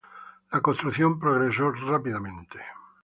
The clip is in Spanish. La construcción progresó rápidamente.